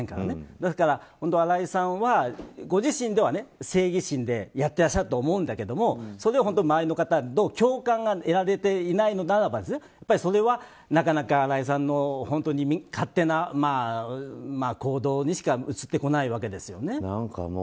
ですから、新井さんはご自身では正義心でやっていらっしゃると思うんですけどそれを周りの人の共感が得られていないのならばそれは、なかなか新井さんの勝手な行動にしか映ってこないわけですよね。